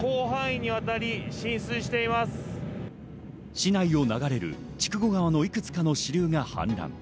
市内を流れる筑後川のいくつかの支流が氾濫。